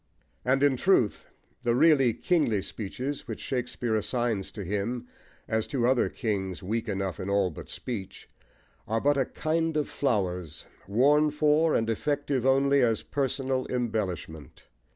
And, in truth, the really kingly speeches which Shakespeare assigns to him, as to other kings weak enough in all but speech, are but a kind of flowers, worn for, and effective only as personal embellishment.